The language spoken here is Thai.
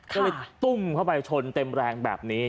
ก็เลยตุ้มเข้าไปชนเต็มแรงแบบนี้